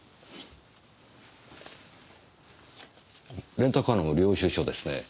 レンタカーの領収証ですね。